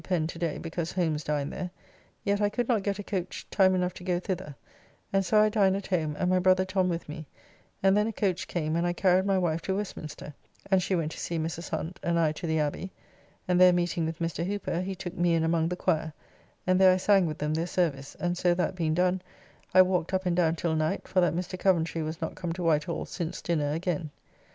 Pen to day because Holmes dined there), yet I could not get a coach time enough to go thither, and so I dined at home, and my brother Tom with me, and then a coach came and I carried my wife to Westminster, and she went to see Mrs. Hunt, and I to the Abbey, and there meeting with Mr. Hooper, he took me in among the quire, and there I sang with them their service, and so that being done, I walked up and down till night for that Mr. Coventry was not come to Whitehall since dinner again.